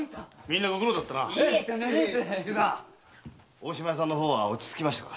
大島屋さんの方は落ち着きましたか？